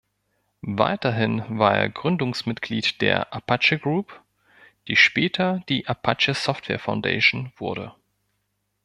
Weiterhin war er Gründungsmitglied der "Apache Group", die später die Apache Software Foundation wurde.